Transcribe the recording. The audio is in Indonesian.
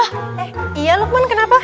eh iya lukman kenapa